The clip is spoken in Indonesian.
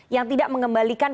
yang tidak mengembalikan